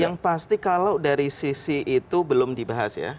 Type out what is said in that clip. yang pasti kalau dari sisi itu belum dibahas ya